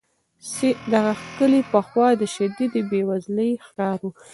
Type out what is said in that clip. دغه کلی پخوا د شدیدې بې وزلۍ ښکار و.